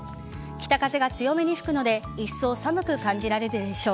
北風が強めに吹くのでいっそう寒く感じられるでしょう。